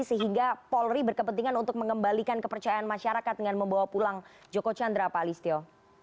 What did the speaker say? sehingga polri berkepentingan untuk mengembalikan kepercayaan masyarakat dengan membawa pulang joko chandra pak listio